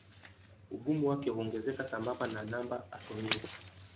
Ugumu wake huongezeka sambamba na namba atomia.